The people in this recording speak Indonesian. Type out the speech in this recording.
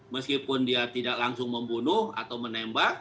meskipun dia tidak langsung membunuh atau menembak